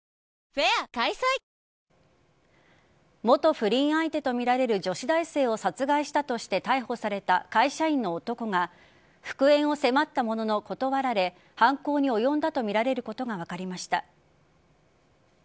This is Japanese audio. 元不倫相手とみられる女子大生を殺害したとして逮捕された会社員の男が復縁を迫ったものの断られ犯行に及んだとみられることが分かりました。